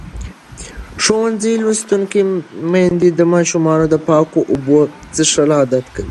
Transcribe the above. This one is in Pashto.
ښوونځې لوستې میندې د ماشومانو د پاکو اوبو څښل عادت کوي.